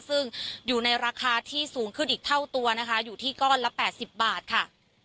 ซึ่งอยู่ในราคาที่สูงขึ้นอีกเท่าตัวนะคะอยู่ที่ก้อนละ๘๐บาทค่ะ